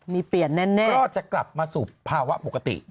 มีเปลี่ยนแน่ก็จะกลับมาสู่ภาวะปกติ